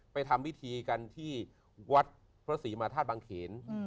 ทำพิธีกันที่วัดพระศรีมาธาตุบังเขน